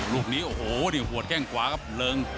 ลูกนี้โอ้โหนี่หัวแข้งขวาครับเริง